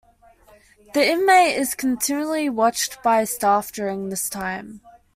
The inmate is continually watched by staff during this time.